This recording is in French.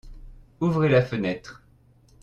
Ouvrez la fenêtre.